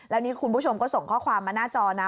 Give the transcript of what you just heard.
แล้วนี่คุณผู้ชมก็ส่งข้อความมาหน้าจอนะ